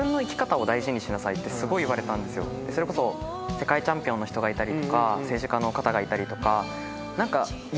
それこそ世界チャンピオンの人がいたりとか政治家の方がいたりとか。